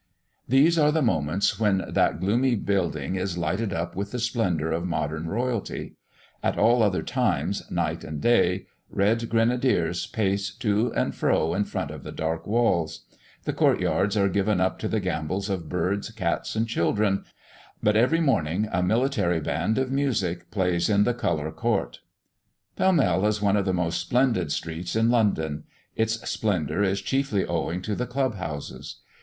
These are the moments when that gloomy building is lighted up with the splendour of modern royalty; at all other times, night and day, red grenadiers pace to and fro in front of the dark walls. The court yards are given up to the gambols of birds, cats, and children; but every morning, a military band of music plays in the colour court. Pall Mall is one of the most splendid streets in London; its splendour is chiefly owing to the club houses.